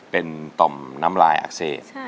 เป็นต่อมน้ำลายอักเสบ